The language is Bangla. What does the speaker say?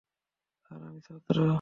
স্যার, আমি ছাত্র।